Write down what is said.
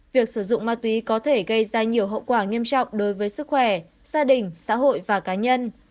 việc sử dụng ma túy có thể gây ra nhiều hậu quả nghiêm trọng đối với sức khỏe gia đình xã hội và cá nhân